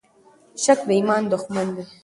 شک د ایمان دښمن دی.